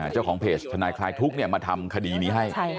เจ้าของเพจทนายคลายทุกข์มาทำคดีนี้ให้